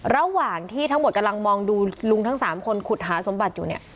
ระหว่างที่ทั้งหมดกำลังมองดูลุงทั้ง๓คนขุดหาสมบัติอยู่เนี่ย